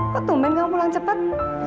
kok tumpen kamu pulang cepet